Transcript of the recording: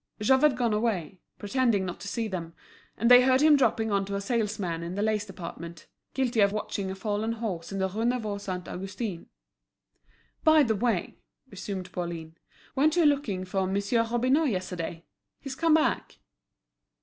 Jouve had gone away, pretending not to see them; and they heard him dropping on to a salesman in the lace department, guilty of watching a fallen horse in the Rue Neuve Saint Augustin. "By the way," resumed Pauline, "weren't you looking for Monsieur Robineau yesterday? He's come back."